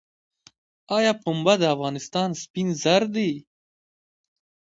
آیا پنبه د افغانستان سپین زر دي؟